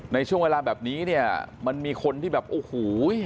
ในช่วงเวลาแบบนี้เนี่ยมันมีคนที่แบบโอ้โห